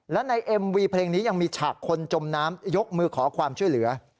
และในเอ็มวีเพลงนี้ยังมีฉากคนจมน้ำยกมือขอความช่วยเหลือ